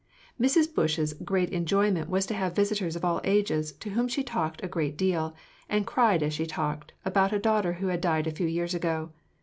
Mrs. Bush's great enjoyment was to have visitors of all ages, to whom she talked a great deal, and cried as she talked, about a daughter who had died a few years ago.